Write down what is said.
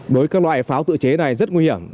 đối với các loại pháo tự chế này rất nguy hiểm